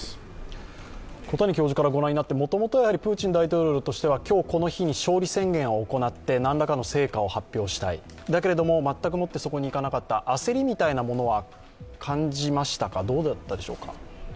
小谷教授から御覧になって、もともとはプーチン大統領としては今日この日に勝利宣言を行って何らかの成果を発表したいだけれども、全くもってそこにいかなかった焦りみたいなものは感じましたか、どうだったでしょうか。